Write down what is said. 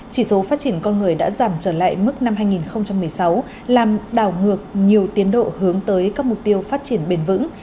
chỉ số phát triển con người đã giảm trở lại mức năm hai nghìn một mươi sáu làm đảo ngược nhiều tiến độ hướng tới các mục tiêu phát triển bền vững